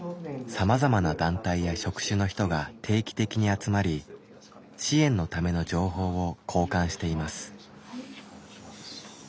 さまざまな団体や職種の人が定期的に集まり支援のための情報を交換しています。